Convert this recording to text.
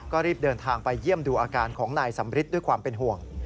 ก็รีบเดินทางไปเยี่ยมดูอาการของนายสำริทด้วยความเป็นห่วง